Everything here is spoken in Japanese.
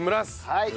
はい！